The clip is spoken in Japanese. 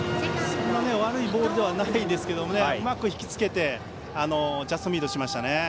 そんなに悪いボールではないですがうまくひきつけてジャストミートしましたね。